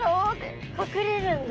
隠れるんだ。